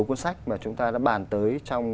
cuốn sách mà chúng ta đã bàn tới trong